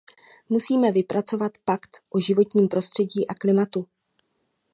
Musíme vypracovat pakt o životním prostředí a klimatu.